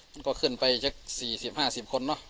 มันก็ขึ้นไปเจ็บสี่สิบห้าสิบคนเนาะ